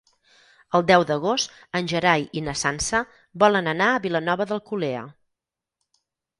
El deu d'agost en Gerai i na Sança volen anar a Vilanova d'Alcolea.